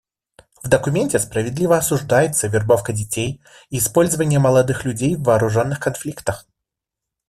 В документе справедливо осуждается вербовка детей и использование молодых людей в вооруженных конфликтах.